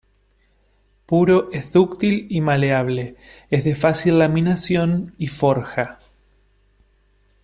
Puro es dúctil y maleable, es de fácil laminación y forja.